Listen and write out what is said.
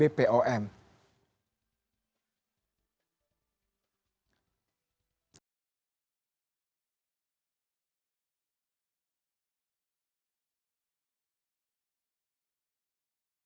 berita terkini mengenai kesehatan dan kegiatan bpom